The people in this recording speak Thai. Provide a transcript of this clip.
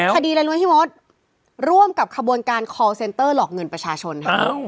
คดีไรรวยพี่โมทร่วมกับขบวนการคอลเซ็นเตอร์หลอกเงินประชาชนฮะ